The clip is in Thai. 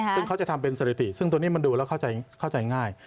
ซึ่งเขาจะทำเป็นสถิติซึ่งตัวนี้มันดูแล้วเข้าใจง่าย